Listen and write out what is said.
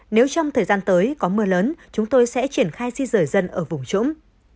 nếu trong thời gian tới có mưa lớn chúng tôi sẽ triển khai di rời dân ở vùng trũng